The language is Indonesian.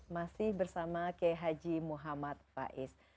masih bersama ke haji muhammad faiz